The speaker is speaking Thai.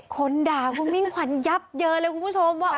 คนด่าคุณมิ่งขวัญยับเยินเลยคุณผู้ชมว่า